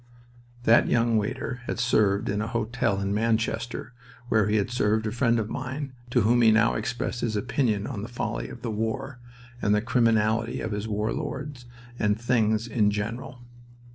That young waiter had served in a hotel in Manchester, where he had served a friend of mine, to whom he now expressed his opinion on the folly of the war, and the criminality of his war lords, and things in general.